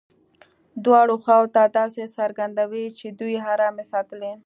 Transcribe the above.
دواړو خواوو ته داسې څرګندوي چې دوی ارامي ساتلې.